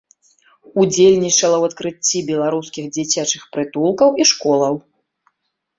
Удзельнічала ў адкрыцці беларускіх дзіцячых прытулкаў і школаў.